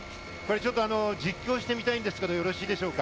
実況してみたいんですけどよろしいでしょうか？